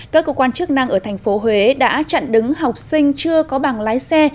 các cơ quan chức năng ở thành phố huế đã chặn đứng học sinh chưa có bằng lái xe